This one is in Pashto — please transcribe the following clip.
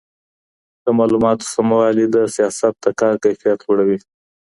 د معلوماتو سموالی د سیاست د کار کیفیت لوړوي.